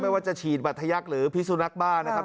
ว่าจะฉีดบัตรทยักษ์หรือพิสุนักบ้านะครับ